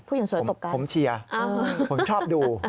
ผู้หญิงสวยตบกันผมเชียร์ผมชอบดู